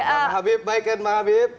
mbak habib baik kan mbak habib